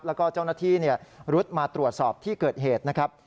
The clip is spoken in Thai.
แล้วก็เจ้าหน้าที่รุดมาตรวจสอบที่เกิดเหตุนะครับ